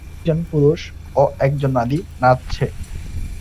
একজন পুরুষ ও একজন নারী নাচছে।